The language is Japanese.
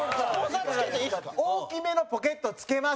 大きめのポケット付けます！